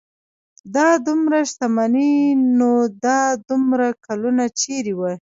دا دومره شتمني نو دا دومره کلونه چېرې وه.